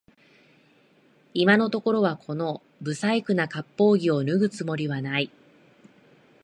今のところはこの不細工な割烹着を脱ぐつもりはない